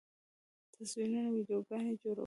تصویرونه، ویډیوګانې جوړولی